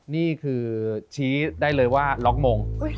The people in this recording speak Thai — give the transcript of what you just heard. นี่คือชี้ได้เลยว่าล็อกมง